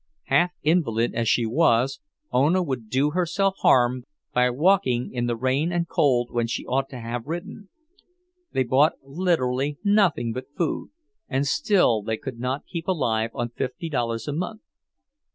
Half invalid as she was, Ona would do herself harm by walking in the rain and cold when she ought to have ridden; they bought literally nothing but food—and still they could not keep alive on fifty dollars a month.